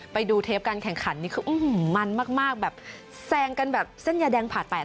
ไปดูเทปการแข่งขันนี่คือมันมากแบบแซงกันแบบเส้นยาแดงผ่าแตก